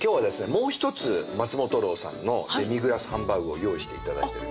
もう一つ松本楼さんのデミグラスハンバーグを用意して頂いてる。